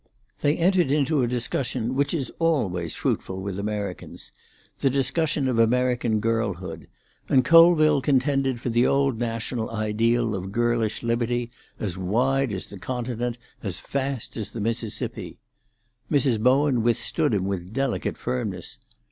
They entered into a discussion which is always fruitful with Americans—the discussion of American girlhood, and Colville contended for the old national ideal of girlish liberty as wide as the continent, as fast as the Mississippi. Mrs. Bowen withstood him with delicate firmness.